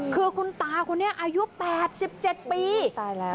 คือคุณตาคนนี้อายุแปดสิบเจ็ดปีตายแล้ว